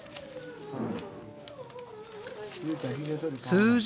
数字。